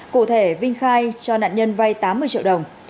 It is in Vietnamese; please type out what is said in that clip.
cụ thể vinh khai cho nạn nhân vay tám mươi triệu đồng